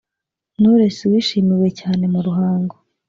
Knowless wishimiwe cyane mu Ruhango